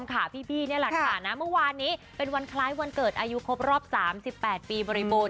คุณผู้ชมเมื่อวานนี้เป็นวันคล้ายวันเกิดอายุคบรอบ๓๘ปีบริบุญ